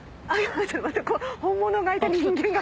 待って本物がいた人間が。